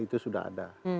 itu sudah ada